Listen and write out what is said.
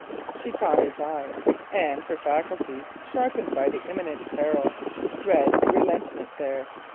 She caught his eye, and her faculties, sharpened by the imminent peril, read relentment there.